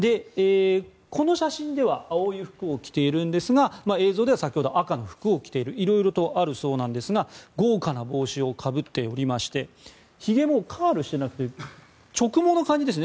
この写真では青い服を着ているんですが映像では先ほど赤の服を着ているいろいろとあるそうですが豪華な帽子をかぶっていましてひげもカールしていなくて直毛な感じですね。